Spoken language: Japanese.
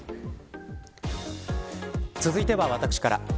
続いては私から。